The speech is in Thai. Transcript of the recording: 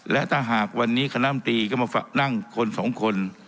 และถ้าหากวันนี้คณะมตรีก็มานั่งคนสองคน